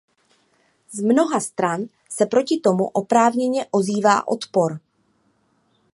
Z mnoha stran se proti tomu oprávněně ozývá odpor.